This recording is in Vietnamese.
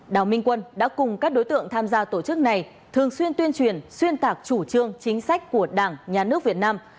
đào minh quân đã cùng các đối tượng tham gia tổ chức này thường xuyên tuyên truyền xuyên tạc chủ trương chính sách của đảng nhà nước việt nam